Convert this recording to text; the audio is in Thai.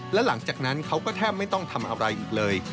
และหลังจากนั้นเขาก็แทบไม่ต้องทำอะไรอีกเลย